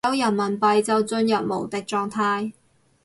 有人民幣就進入無敵狀態